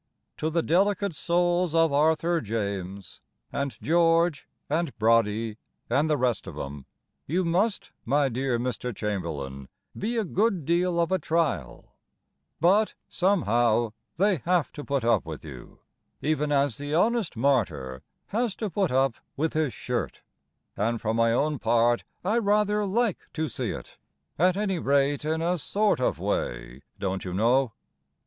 To the delicate souls of Arthur James, And George, and Broddy, and the rest of 'em, You must, my dear Mr. Chamberlain, be a good deal of a trial, But, somehow, they have to put up with you, Even as the honest martyr has to put up with his shirt; And, for my own part, I rather like to see it: At any rate, in a sort of way, don't you know.